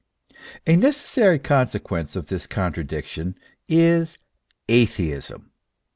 A necessary consequence of this contradiction is Atheism.